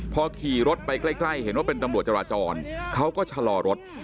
พอขี่รถไปใกล้เห็นว่าเป็นตำรวจจราจรเขาก็ชะลอรถ